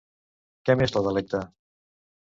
Què més la delecta?